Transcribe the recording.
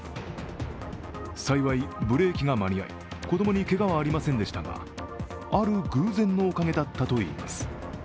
幸いブレーキが間に合い、子どもにけがはありませんでしたがある偶然のおかげだったといいます。